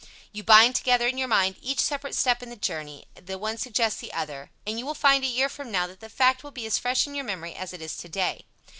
You bind together in your mind each separate step in the journey, the one suggests the other, and you will find a year from now that the fact will be as fresh in your memory as it is today.